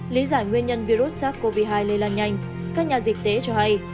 lý giải nguyên nhân virus sars cov hai lây lan nhanh các nhà dịch tế cho hay